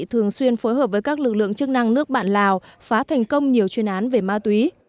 thường xuyên phối hợp với các lực lượng chức năng nước bạn lào phá thành công nhiều chuyên án về ma túy